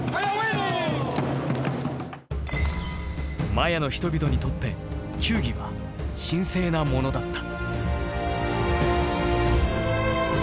マヤの人々にとって球技は神聖なものだった。